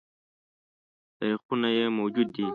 تاریخونه یې موجود دي